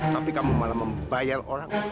tapi kamu malah membayar orang